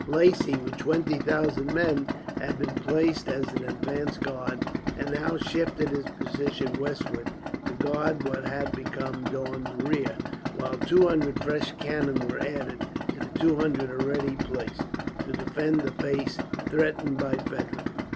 Lacy, with twenty thousand men, had been placed as an advanced guard; and now shifted his position westward, to guard what had become Daun's rear; while two hundred fresh cannon were added, to the two hundred already placed, to defend the face threatened by Frederick.